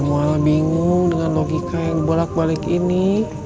saya muala bingung dengan logika yang bolak balik ini